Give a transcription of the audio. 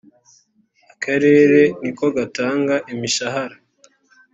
akarere nikogatanga imishahara.